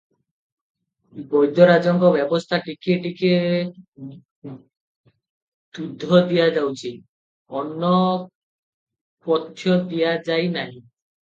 ବୈଦ୍ୟରାଜଙ୍କ ବ୍ୟବସ୍ଥା ଟିକିଏ ଟିକିଏ ଦୁଧ ଦିଆ ଯାଉଛି, ଅନ୍ନ ପଥ୍ୟ ଦିଆଯାଇ ନାହିଁ ।